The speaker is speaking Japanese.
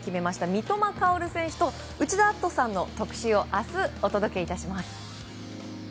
三笘薫選手と内田篤人さんの特集を明日、お届けいたします。